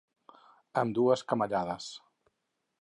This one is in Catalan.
Amb dues camallades.